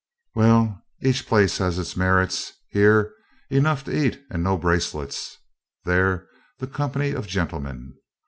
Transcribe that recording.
Well, each place has its merits: here, enough to eat and no bracelets; there, the company of gentlemen.